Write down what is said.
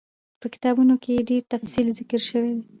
په کتابونو کي ئي ډير تفصيل ذکر شوی دی